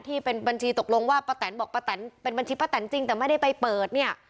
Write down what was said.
ที่เป็นบัญชีตกลงว่าประตานเป็นบัญชีประตานจริงแต่ไม่ได้ไปเปิด